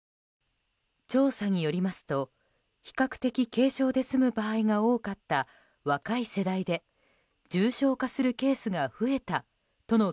調査によりますと比較的軽症で済む場合が多かった若い世代で重症化するケースが増えたとの